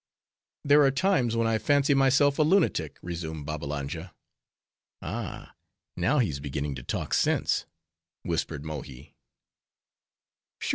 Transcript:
"There are times when I fancy myself a lunatic," resumed Babbalanja. "Ah, now he's beginning to talk sense," whispered Mohi.